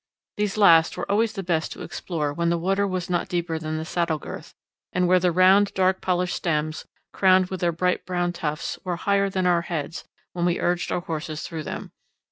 _ These last were always the best to explore when the water was not deeper than the saddle girth, and where the round dark polished stems, crowned with their bright brown tufts, were higher than our heads when we urged our horses through them.